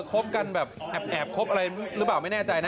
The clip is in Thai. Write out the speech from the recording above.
คบกันแบบแอบคบอะไรหรือเปล่าไม่แน่ใจนะ